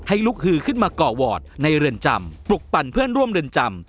ลุกฮือขึ้นมาก่อวอร์ดในเรือนจำปลุกปั่นเพื่อนร่วมเรือนจำ